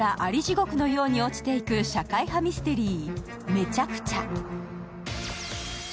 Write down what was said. ごくのように落ちていく社会派ミステリー